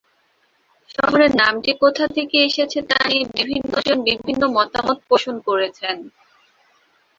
শহরের নামটি কোথা থেকে এসেছে তা নিয়ে বিভিন্ন জন বিভিন্ন মতামত পোষন করেছেন।